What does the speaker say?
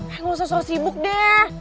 eh gak usah soal sibuk deh